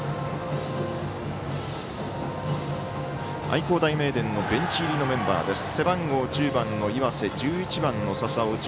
愛工大名電のベンチ入りのメンバーです。